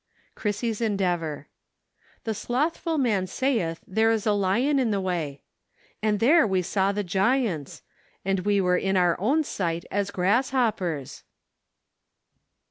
5 Clirissy's Endeavor. " The slothful man saith, ' there is a lion in the way .*"" And there we saw the giants! And we were in our own sight as grasshoppers